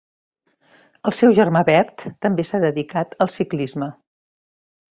El seu germà Bert també s'ha dedicat al ciclisme.